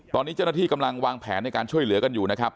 ตอนนี้เจ้าหน้าที่กำลังวางแผนในการช่วยเหลือกันอยู่นะครับ